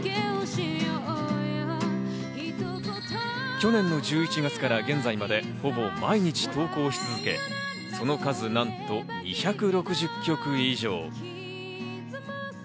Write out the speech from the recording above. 去年の１１月から現在までほぼ毎日投稿し続け、その数なんと２６０曲以上。